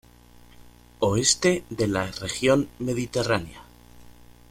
Oeste de la Región Mediterránea.